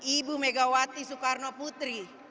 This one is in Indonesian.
ibu megawati soekarno putri